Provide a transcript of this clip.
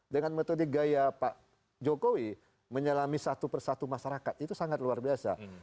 dengan metode gaya pak jokowi menyelami satu persatu masyarakat itu sangat luar biasa